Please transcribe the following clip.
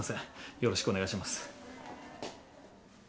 よろしくお願いします。